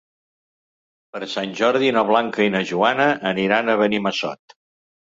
Per Sant Jordi na Blanca i na Joana aniran a Benimassot.